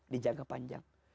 di jangka panjang